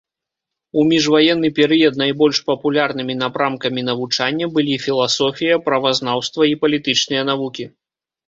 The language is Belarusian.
У міжваенны перыяд найбольш папулярнымі напрамкамі навучання былі філасофія, правазнаўства і палітычныя навукі.